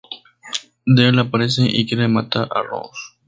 Dell aparece y quiere matar a Ross.